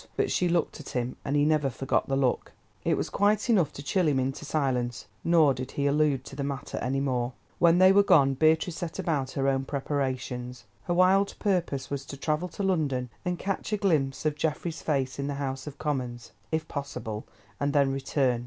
But she looked at him, and he never forgot the look. It was quite enough to chill him into silence, nor did he allude to the matter any more. When they were gone, Beatrice set about her own preparations. Her wild purpose was to travel to London, and catch a glimpse of Geoffrey's face in the House of Commons, if possible, and then return.